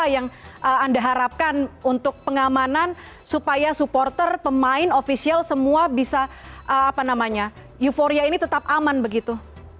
yang anda harapkan untuk pengamanan supaya supporter pemain ofisial semua bisa apa namanya euforia ini tetap aman begitu